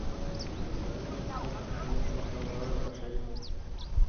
داسلامي حكومت دحاكميت موخه اوغرض بشري